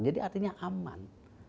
jadi artinya aman